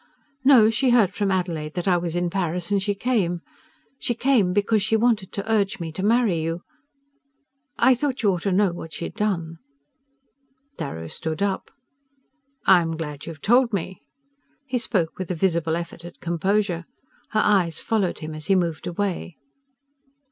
"No; she heard from Adelaide that I was in Paris and she came. She came because she wanted to urge me to marry you. I thought you ought to know what she had done." Darrow stood up. "I'm glad you've told me." He spoke with a visible effort at composure. Her eyes followed him as he moved away.